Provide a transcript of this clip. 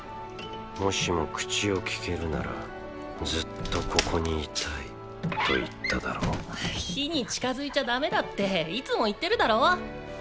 もしも口をきけるなら「ずっとここにいたい」と言っただろう火に近付いちゃダメだっていつも言ってるだろー。